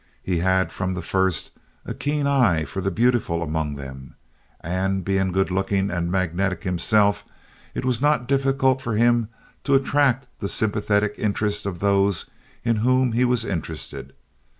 He had from the first a keen eye for the beautiful among them; and, being good looking and magnetic himself, it was not difficult for him to attract the sympathetic interest of those in whom he was interested.